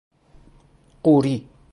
قوری